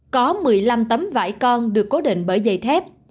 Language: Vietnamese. có một mươi năm tấm vải con được cố định bởi dây thép